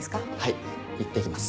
いってきます。